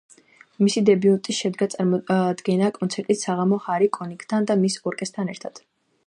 მისი დებიუტი შედგა წარმოდგენა-კონცერტით „საღამო ჰარი კონიკთან და მის ორკესტრთან ერთად“.